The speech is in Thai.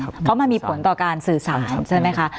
เพราะมันมีผลต่อการสื่อสารใช่ไหมคะ